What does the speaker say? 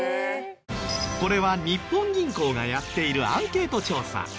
これは日本銀行がやっているアンケート調査。